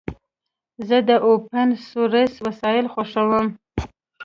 زه د اوپن سورس وسایل خوښوم.